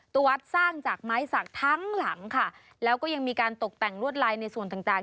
ตัววัดสร้างจากไม้สักทั้งหลังค่ะแล้วก็ยังมีการตกแต่งลวดลายในส่วนต่างต่าง